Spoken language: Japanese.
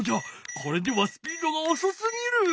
これではスピードがおそすぎる！